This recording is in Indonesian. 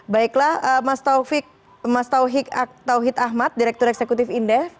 baiklah mas tauhid ahmad direktur eksekutif indef